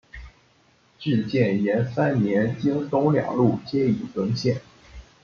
至建炎三年京东两路皆已沦陷。